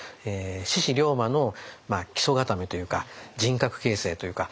志士龍馬の基礎固めというか人格形成というか。